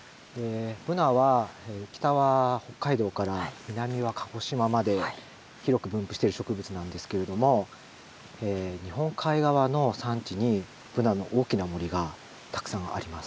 ブナは北は北海道から南は鹿児島まで広く分布してる植物なんですけれども日本海側の山地にブナの大きな森がたくさんあります。